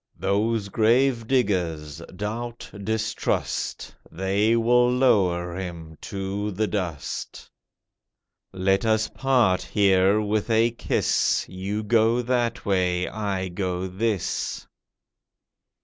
Those gravediggers, Doubt, Distrust, They will lower him to the dust. Let us part here with a kiss— You go that way, I go this.